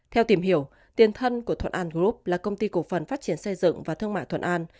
theo tìm hiểu tiền thân của thuận an group là công ty cổ phần phát triển xây dựng và thương mại thuận an